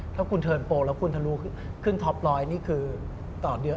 ถ้าคุณเทิร์นโปรแล้วคุณทะลูขึ้นท็อป๑๐๐นี่คือ